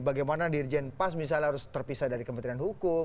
bagaimana dirjen pas misalnya harus terpisah dari kementerian hukum